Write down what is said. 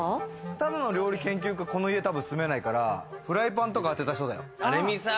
ただの料理研究家、この家住めないからフライパンとか当てた人だよ。